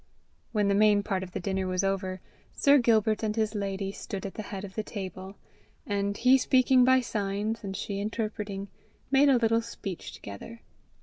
When the main part of the dinner was over, Sir Gilbert and his lady stood at the head of the table, and, he speaking by signs and she interpreting, made a little speech together.